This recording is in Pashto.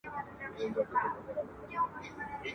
د دې ټولي برخي په یو ځای کي راټولي سوي دي